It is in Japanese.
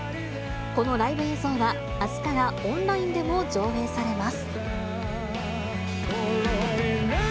このライブ映像は、あすからオンラインでも上映されます。